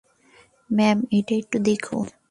Ma'am, এটা একটু দেখুন।